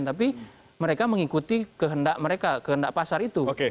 tapi mereka mengikuti kehendak mereka kehendak pasar itu